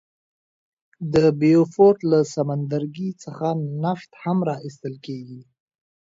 د بیوفورت له سمندرګي څخه نفت هم را ایستل کیږي.